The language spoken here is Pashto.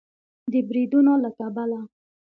د بریدونو له کبله